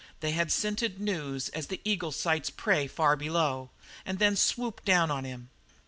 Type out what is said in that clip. They had scented news as the eagle sights prey far below, and then swooped down on him.